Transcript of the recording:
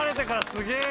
すげえ！